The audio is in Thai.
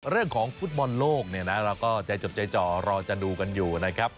เรื่องของฟุตบอลโลกเนี่ยนะเราก็ใจจดใจจ่อรอจะดูกันอยู่นะครับ